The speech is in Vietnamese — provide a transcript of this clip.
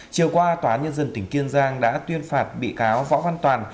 chiều qua tòa nhân dân tỉnh kiên giang đã tuyên phạt bị cáo võ văn toàn